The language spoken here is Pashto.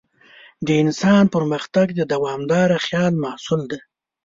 د انسان پرمختګ د دوامداره خیال محصول دی.